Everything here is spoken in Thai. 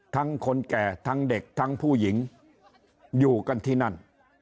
คนแก่ทั้งเด็กทั้งผู้หญิงอยู่กันที่นั่น